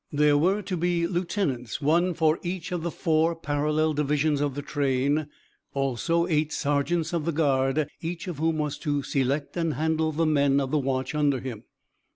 There were to be lieutenants, one for each of the four parallel divisions of the train; also eight sergeants of the guard, each of whom was to select and handle the men of the watch under him.